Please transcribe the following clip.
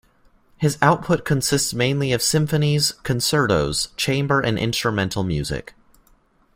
His output consists mainly of symphonies, concertos, chamber and instrumental music.